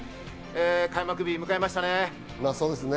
開幕日を迎えましたね。